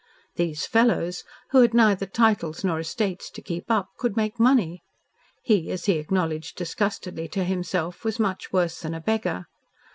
"These fellows" who had neither titles nor estates to keep up could make money. He, as he acknowledged disgustedly to himself, was much worse than a beggar.